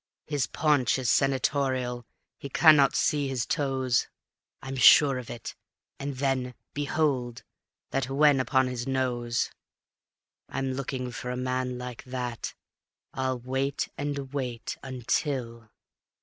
His paunch is senatorial, he cannot see his toes, I'm sure of it; and then, behold! that wen upon his nose. I'm looking for a man like that. I'll wait and wait until